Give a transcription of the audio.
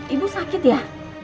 ibu sakit ya